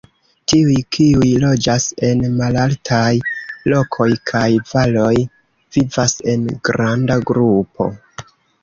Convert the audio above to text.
Tiuj, kiuj loĝas en malaltaj lokoj kaj valoj, vivas en granda grupo.